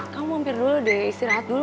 kamu mampir dulu deh istirahat dulu